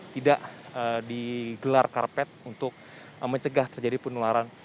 tidak digelar karpet untuk mencegah terjadi penularan